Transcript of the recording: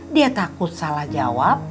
dia takut salah jawab